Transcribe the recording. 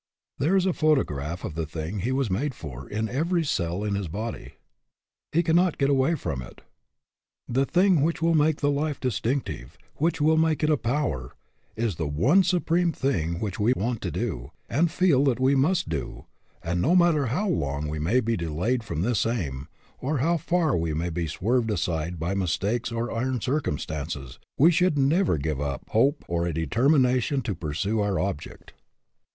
There is a photograph of the thing he was made for, in every cell in his body. He can not get away from it. The thing which will make the life dis tinctive, which will make it a power, is the one supreme thing which we want to do, and feel that we must do; and, no matter how long we may be delayed from this aim, or how AN OVERMASTERING PURPOSE in far we may be swerved aside by mistakes or iron circumstances, we should never give up hope or a determination to pursue our object.